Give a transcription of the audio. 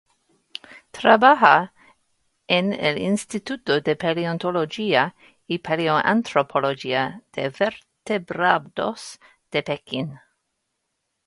Trabaja en el Instituto de Paleontología y Paleoantropología de Vertebrados de Pekín.